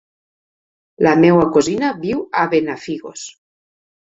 La meva cosina viu a Benafigos.